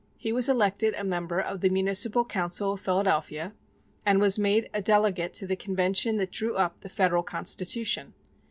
He was elected a member of the municipal council of Philadelphia, and was made a delegate to the Convention that drew up the Federal Constitution.